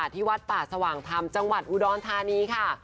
ที่วัดป่าสว่างธรรมจังหวัดอุดรธานีค่ะ